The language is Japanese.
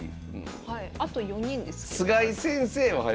あと４人ですけど。